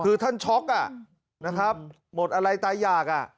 คือท่านช็อกอ่ะนะครับหมดอะไรตายอยาก